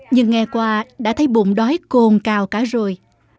nhưng nghe qua đã thấy bụng đói cồn cao cả rồi